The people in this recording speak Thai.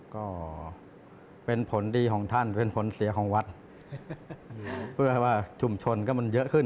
ก็เป็นผลดีของท่านเป็นผลเสียของวัดเพื่อให้ว่าชุมชนก็มันเยอะขึ้น